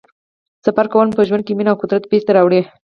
سفر کول مو په ژوند کې مینه او قدرت بېرته راوړي.